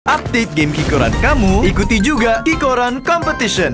update game kikoran kamu ikuti juga kikoran competition